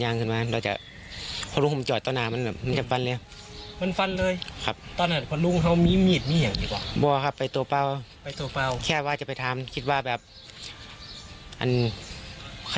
นมอบลงทางอยู่สภาพแล้วอายุทางค่อยคร่ะ